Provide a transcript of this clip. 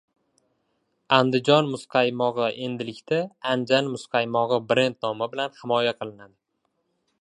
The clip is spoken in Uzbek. “Andijon muzqaymog‘i” endilikda “Anjan muzqaymog‘i” brend nomi bilan himoya qilinadi